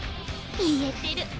言えてる。